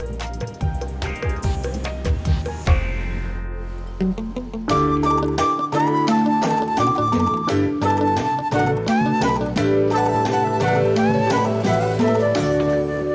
nanti aku tidak butuh